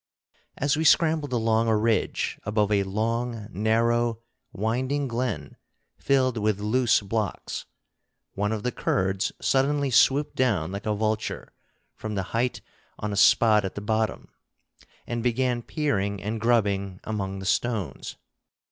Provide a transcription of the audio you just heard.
As we scrambled along a ridge above a long narrow winding glen filled with loose blocks, one of the Kurds suddenly swooped down like a vulture from the height on a spot at the bottom, and began peering and grubbing among the stones.